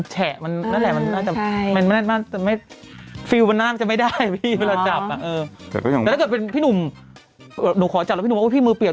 แต่ถ้าเกิดเป็นพี่หนุ่มหนูขอจับแล้วพี่หนุ่มว่าพี่มือเปียก